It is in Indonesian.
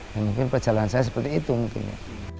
ya mungkin perjalanan saya seperti itu mungkin ya